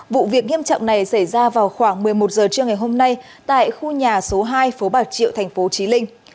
vụ việc nghiêm trọng này xảy ra vào khoảng một mươi một h trưa ngày hôm nay tại khu nhà số hai phố bạc triệu tp chí linh